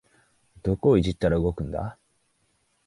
どこをいじったら動くんだ